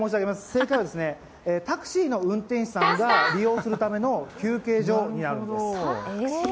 正解はタクシーの運転手さんが利用するための休憩所なんです。